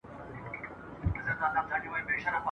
بوراګلي تر انګاره چي رانه سې !.